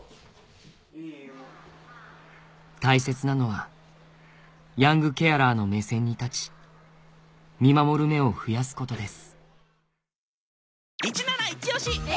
大切なのはヤングケアラーの目線に立ち見守る目を増やすことです